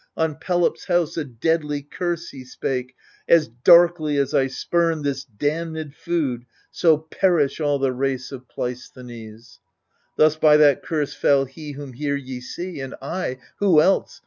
On Pelops' house a deadly curse he spake — As darkly as I spurn this damnhdfood^ So perish all the race of Pleisthenes / Thus by that curse fell he whom here ye see, And I — who else